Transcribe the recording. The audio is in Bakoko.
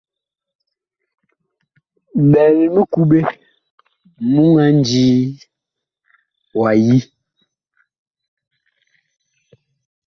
Bɛl mikuɓe mu a ndii wa yi.